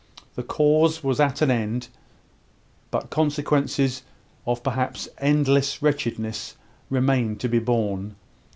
The cause was at an end; but consequences, of perhaps endless wretchedness, remained to be borne.